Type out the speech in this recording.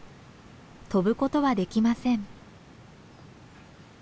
飛ぶことはできません。